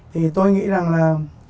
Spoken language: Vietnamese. thì tôi nghĩ rằng là